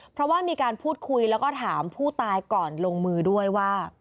เพราะว่ามีการพูดคุยแล้วก็ถามผู้ตายก่อนลงมือด้วยว่า